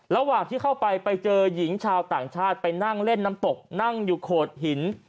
ระหว่างที่เข้าไปไปเจอหญิงชาวต่างชาติไปนั่งเล่นน้ำตกนั่งอยู่โขดหิน